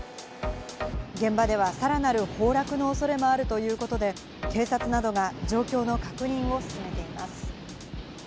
現場ではさらなる崩落の恐れもあるということで、警察などが状況の確認を進めています。